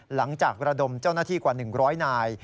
หลังจากระดมเจ้าหน้าที่กว่า๑๐๐นาย